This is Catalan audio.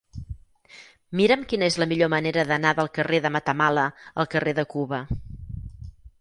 Mira'm quina és la millor manera d'anar del carrer de Matamala al carrer de Cuba.